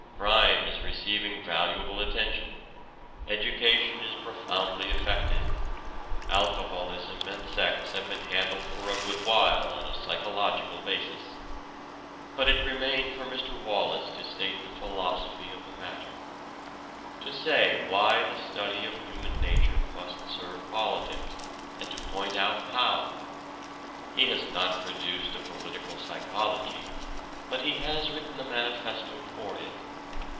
Crime is receiving valuable attention, education is profoundly affected, alcoholism and sex have been handled for a good while on a psychological basis. But it remained for Mr. Wallas to state the philosophy of the matter to say why the study of human nature must serve politics, and to point out how. He has not produced a political psychology, but he has written the manifesto for it.